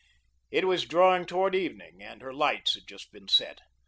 It was drawing towards evening and her lights had just been set.